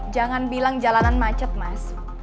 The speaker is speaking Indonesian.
jangan bilang jalanan macet mas